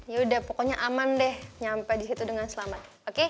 ya udah pokoknya aman deh nyampe disitu dengan selamat